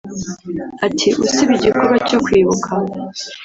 Ati “Usibye igikorwa cyo kwibuka